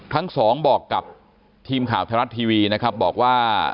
ทั้งสองบอกกับทีมข่าวไทยรัฐทีวีนะครับบอกว่า